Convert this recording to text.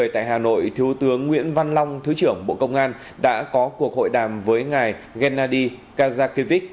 tại hà nội thiếu tướng nguyễn văn long thứ trưởng bộ công an đã có cuộc hội đàm với ngài gennady kazakevich